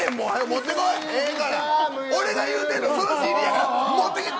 俺が言うてるのそのＣＤ持ってきて。